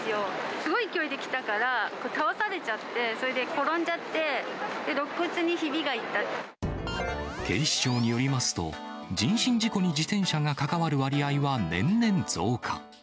すごい勢いで来たから、倒されちゃって、それで転んじゃって、警視庁によりますと、人身事故に自転車が関わる割合は年々増加。